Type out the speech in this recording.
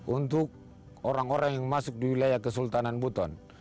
untuk orang orang yang masuk di wilayah kesultanan buton